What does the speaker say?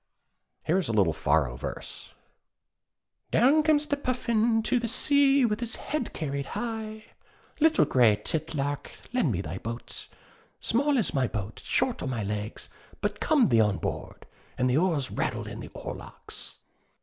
Here is a little Faroe verse: Down comes the Puffin to the sea, With his head carried high. 'Little Gray titlark, lend me thy boat?' 'Small is my boat, short are my legs But come thee on board'; And the oars rattle in the oarlocks.